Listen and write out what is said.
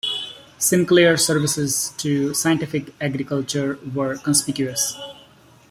Sinclair's services to scientific agriculture were conspicuous.